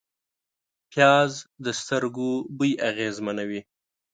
پیاز د سترګو بوی اغېزمنوي